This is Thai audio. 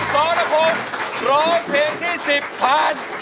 ล้อมได้ให้ร้าน